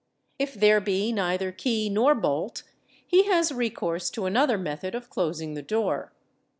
If there be neither key nor bolt h has recourse to another method of closing the Fig. 130. door.